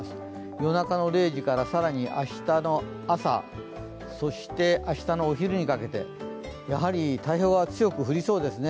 夜中の０時から更に明日の朝、そして明日のお昼にかけてやはり太平洋側は強く降りそうですね。